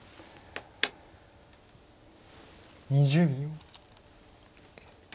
２０秒。